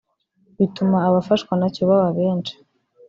bituma abafashwa nacyo baba benshi